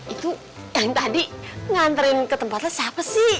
itu yang tadi nganterin ke tempatnya siapa sih